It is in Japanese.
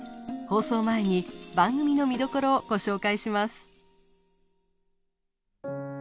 放送前に番組の見どころをご紹介します。